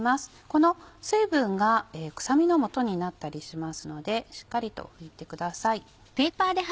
この水分が臭みのもとになったりしますのでしっかりと拭いてください。